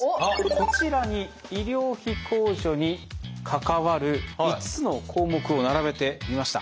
こちらに医療費控除に関わる５つの項目を並べてみました。